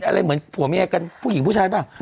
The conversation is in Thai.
อะไรเหมือนผัวเมียกันผู้หญิงผู้ชายป่ะ